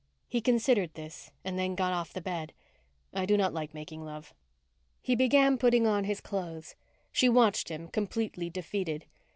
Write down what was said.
He considered this and then got off the bed. "I do not like making love." He began putting on his clothes. She watched him, completely defeated.